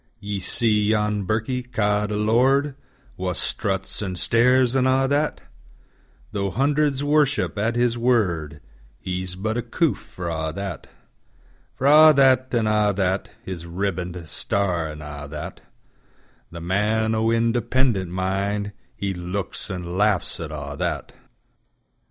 Ye see yon birkie, ca'd a lord, Wha struts, an' stares, an' a' that; Tho' hundreds worship at his word, He's but a coof for a' that:For a' that, an' a' that, His ribband, star, an' a' that:The man o' independent mindHe looks an' laughs at a' that.